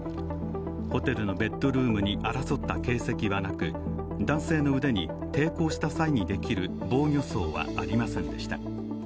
ホテルのベッドルームに争った形跡はなく男性の腕に抵抗した際にできる防御創はありませんでした。